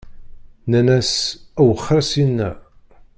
Nnan-as: Wexxeṛ syenna!